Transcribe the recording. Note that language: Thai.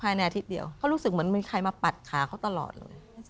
ในอาทิตย์เดียวเขารู้สึกเหมือนมีใครมาปัดขาเขาตลอดเลย